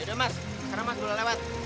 yaudah mas sekarang mas dulu lewat